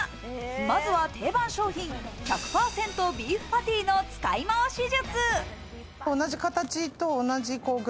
まずは定番商品、１００％ビーフパティの使いまわし術。